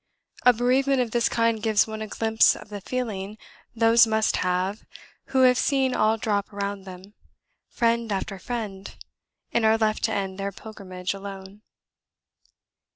A bereavement of this kind gives one a glimpse of the feeling those must have, who have seen all drop round them friend after friend, and are left to end their pilgrimage alone."